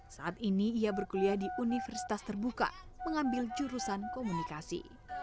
saat ini ia berkuliah di universitas terbuka mengambil jurusan komunikasi